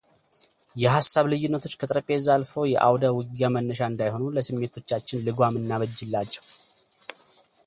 የሐሳብ ልዩነቶች ከጠረጴዛ አልፈው የዐውደ ውጊያ መነሻ እንዳይሆኑ ለስሜቶቻችን ልጓም እናበጅላቸው